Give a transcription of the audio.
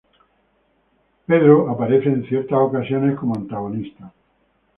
Pete aparece en ciertas ocasiones como antagonista.